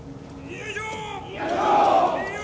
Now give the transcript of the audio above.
よいしょ！